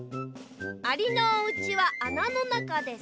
「アリのおうちはあなのなかです」。